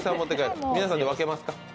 皆さんで分けますか？